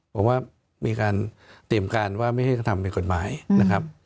ผมว่ามีการเตรียมการว่าไม่ให้ทำเป็นกฎหมายนะครับ